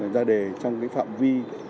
ra đề trong phạm vi